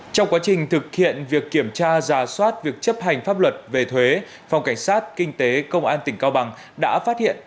trong quá trình thực hiện việc kiểm tra giả soát việc chấp hành pháp luật về thuế phòng cảnh sát kinh tế công an tỉnh cao bằng đã phát hiện